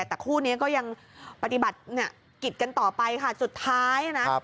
แต่คู่นี้ก็ยังปฏิบัติกิจกันต่อไปค่ะสุดท้ายนะ